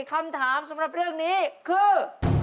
คำถามสำหรับเรื่องนี้คือ